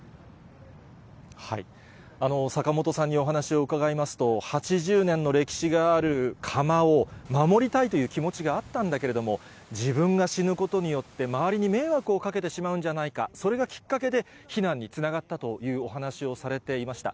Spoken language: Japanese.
坂本さんにお話を伺いますと、８０年の歴史がある窯を守りたいという気持ちがあったんだけれども、自分が死ぬことによって周りに迷惑をかけてしまうんじゃないか、それがきっかけで、避難につながったというお話をされていました。